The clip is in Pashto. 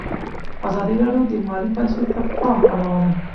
ازادي راډیو د مالي پالیسي ته پام اړولی.